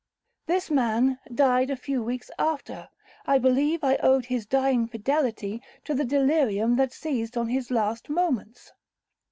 This man died a few weeks after. I believe I owed his dying fidelity to the delirium that seized on his last moments.